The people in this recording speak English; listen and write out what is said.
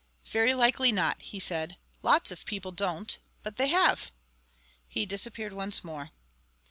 "Very likely not," he said. "Lots of people don't. But they have." He disappeared once more.